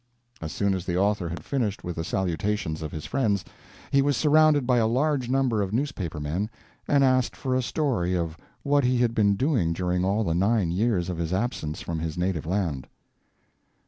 As soon as the author had finished with the salutations of his friends, he was surrounded by a large number of newspaper men, and asked for a story of what he had been doing during all the nine years of his absence from his native land.